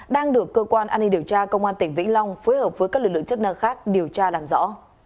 đang được cơ quan an ninh điều tra công an tỉnh vĩnh long phối hợp với các lực lượng chức năng khác điều tra làm rõ